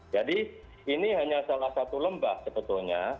jadi ini hanya salah satu lembah sebetulnya